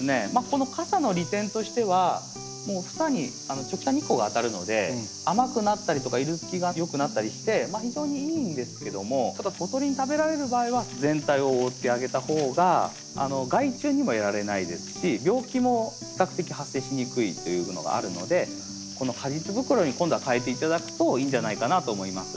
このかさの利点としては房に直射日光が当たるので甘くなったりとか色づきが良くなったりして非常にいいんですけどもただ鳥に食べられる場合は全体を覆ってあげた方が害虫にもやられないですし病気も比較的発生しにくいというのがあるのでこの果実袋に今度はかえて頂くといいんじゃないかなと思います。